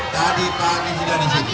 tadi pagi sudah di situ